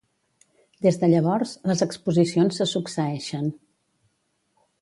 Des de llavors, les exposicions se succeeixen.